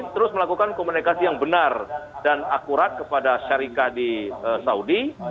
terus melakukan komunikasi yang benar dan akurat kepada syarikat di saudi